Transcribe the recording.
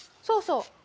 そうそう。